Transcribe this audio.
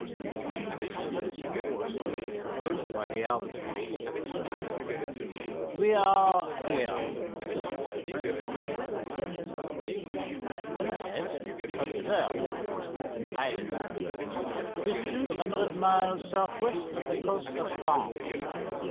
His fingers traced the course already traversed by the Albatross. "We are here," he said, halting the faltering index. "Ahead, observe, is an island. It is two hundred miles southwest of the coast of France.